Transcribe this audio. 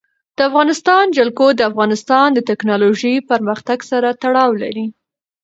د افغانستان جلکو د افغانستان د تکنالوژۍ پرمختګ سره تړاو لري.